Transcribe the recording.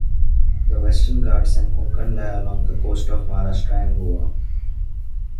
The Western Ghats and Konkan lie along the coast of Maharashtra and Goa.